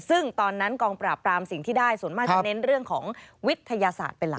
ซึ่งตอนนั้นกองปราบปรามสิ่งที่ได้ส่วนมากจะเน้นเรื่องของวิทยาศาสตร์เป็นหลัก